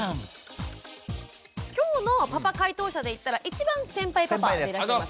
今日のパパ解答者でいったら一番先輩パパになります。